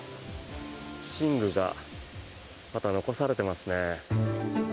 寝具がまだ残されていますね。